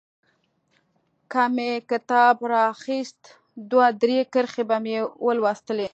که مې کتاب رااخيست دوه درې کرښې به مې ولوستلې.